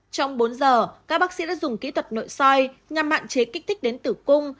trong bốn giờ các bác sĩ đã dùng kỹ thuật nội soi nhằm hạn chế kích thích đến tử cung